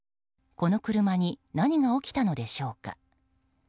この車に何が起きたのでしょうか。